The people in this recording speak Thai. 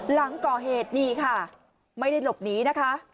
หลังก่อเหตุนี่ค่ะไม่ได้หลบหนีนะคะ